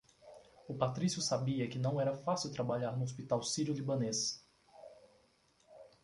O Patrício sabia que não era fácil trabalhar no Hospital Sírio Libanês.